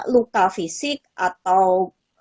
luka fisik atau